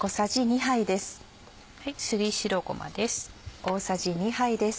すり白ごまです。